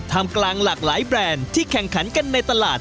ทำกลางหลากหลายแบรนด์ที่แข่งขันกันในตลาด